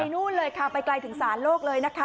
นู่นเลยค่ะไปไกลถึงศาลโลกเลยนะคะ